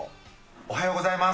おはようございます。